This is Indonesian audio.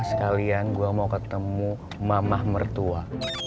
sekalian gue mau ketemu mama mertua